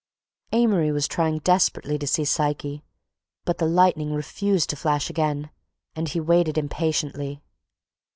Amory was trying desperately to see Psyche, but the lightning refused to flash again, and he waited impatiently.